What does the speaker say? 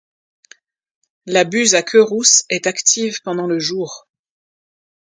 La Buse à queue rousse est active pendant le jour.